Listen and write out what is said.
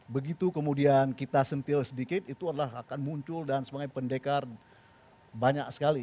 begitu kemudian kita sentil sedikit itu adalah akan muncul dan sebagai pendekar banyak sekali